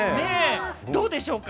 どうでしょうか？